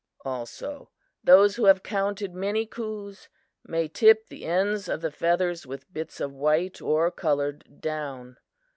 Also those who have counted many coups may tip the ends of the feathers with bits of white or colored down.